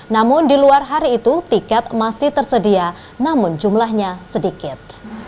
namun di luar hari itu tiket masih tersedia namun jumlahnya sedikit